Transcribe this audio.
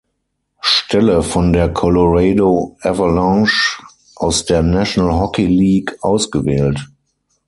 Stelle von der Colorado Avalanche aus der National Hockey League ausgewählt.